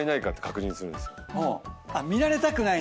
見られたくないんだ。